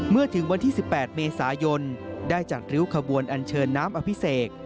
เมื่อถึงวันที่๑๘เมษายนได้จัดริ้วขบวนอันเชิญน้ำอภิเษก